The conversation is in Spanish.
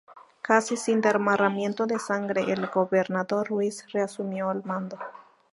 Casi sin derramamiento de sangre, el gobernador Ruiz reasumió el mando.